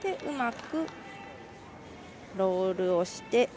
うまくロールをして。